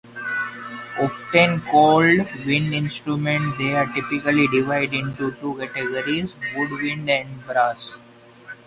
Often called wind instruments, they are typically divided into two categories; Woodwind and Brass.